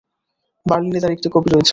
বার্লিনে তার একটি কপি রয়েছে।